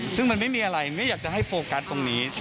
ซึ่งมันไม่มีอะไรไม่อยากจะให้โฟกัสตรงนี้